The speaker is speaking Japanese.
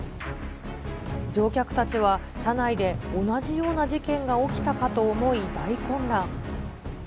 乗客たちは車内で同じような事件が起きたかと思い大混乱。